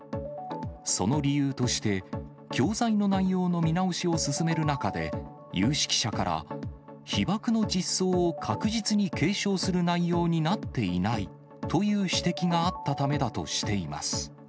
その理由として、教材の内容の見直しを進める中で、有識者から、被ばくの実相を確実に継承する内容になっていないという指摘があったためだとしています。